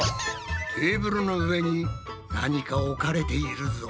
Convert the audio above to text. テーブルの上に何か置かれているぞ。